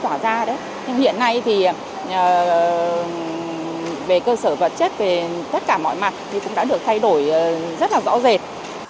nhưng hiện nay thì về cơ sở vật chất về tất cả mọi mặt thì cũng đã được thay đổi rất là rõ rệt